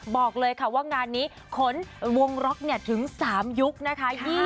บอกเลยค่ะว่างานนี้ขนวงล็อกถึง๓ยุคนะคะ